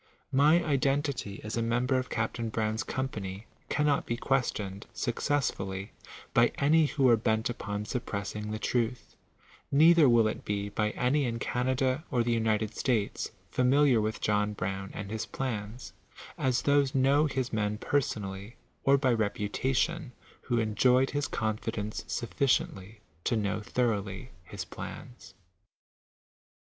My identity as a mem ber of Capt. Brown 1 i company cannot be questioned, successfully, by any who are bent upon suppressing the truth ; neither will it be by any in Canada or the United States familiar with John Brown and his plans, as those know his men personally, or by reputation, who enjoyed his oonfi * denoe sufficiently to know thoroughly his plans.